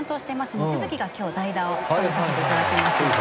望月がきょう代打を務めさせていただきますので。